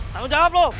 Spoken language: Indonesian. tanggung jawab lo